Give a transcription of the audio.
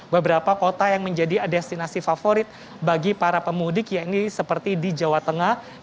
beberapa kota yang menjadi destinasi favorit bagi para pemudik ya ini seperti di jawa tengah